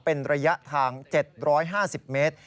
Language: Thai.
เป็นระยะทาง๗๕๐เมตร